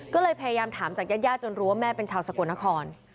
ก็เลยพยายามถามจากญาติญาติจนรู้ว่าแม่เป็นชาวสกลนคร